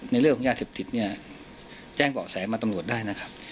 ในเรื่องของยาเสพติดเนี่ยแจ้งเบาะแสมาตำรวจได้นะครับ